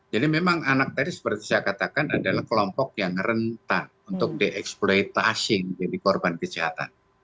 jadi memang anak tadi seperti saya katakan adalah kelompok yang rentah untuk dieksploitasi jadi korban kesehatan